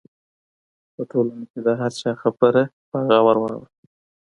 په ټولنه کې د هر چا خبره په غور واوره.